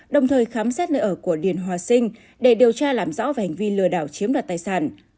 đồng thời khám xét nơi ở của điền hòa sinh để điều tra làm rõ về hành vi lừa đảo chiếm đoạt tài sản